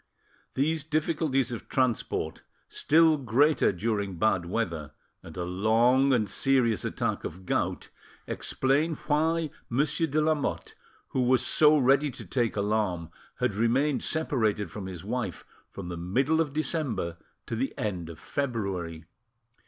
These difficulties of transport, still greater during bad weather, and a long and serious attack of gout, explain why Monsieur ale Lamotte, who was so ready to take alarm, had remained separated from his wife from the middle of December to the end of February.